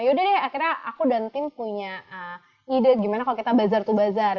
yaudah deh akhirnya aku dan tim punya ide gimana kalau kita bazar to bazar